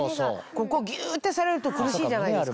ここギュってされると苦しいじゃないですか。